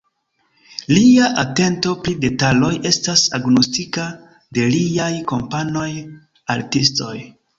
Lia atento pri detaloj estas agnoskita de liaj kompanoj artistoj.